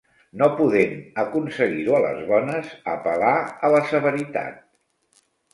No podent aconseguir-ho a les bones, apel·là a la severitat.